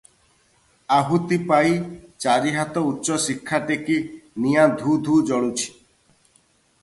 ଆହୁତି ପାଇ ଚାରି ହାତ ଉଚ୍ଚ ଶିଖା ଟେକି ନିଆଁ ଧୂ-ଧୂ ଜଳୁଛି ।